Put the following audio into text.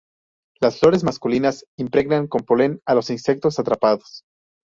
Las flores masculinas impregnan con polen a los insectos atrapados.